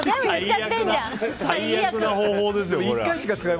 最悪な方法ですよ。